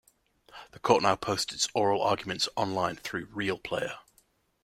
The court now posts its oral arguments online through RealPlayer.